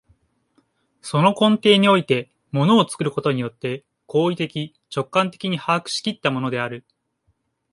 その根底において物を作ることによって行為的直観的に把握し来ったものである。